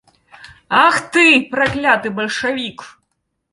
Ах ты, пракляты бальшавік!